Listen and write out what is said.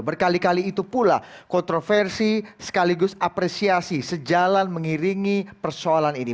berkali kali itu pula kontroversi sekaligus apresiasi sejalan mengiringi persoalan ini